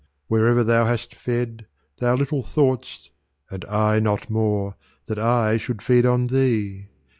Wherever thou hast fed, thou little thought'st, And I not more, that I should feed on thee.